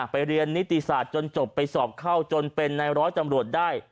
ไปเรียนนิติศาสตร์จนจบไปสอบเข้าจนเป็นในร้อยจำรวจได้